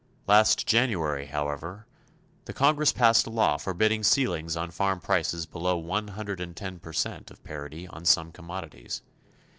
Last January, however, the Congress passed a law forbidding ceilings on farm prices below 110 percent of parity on some commodities.